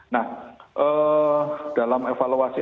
nah ee dalam evaluasi